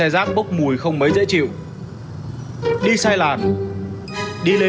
đây này cô bị một năm nè